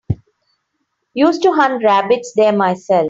Used to hunt rabbits there myself.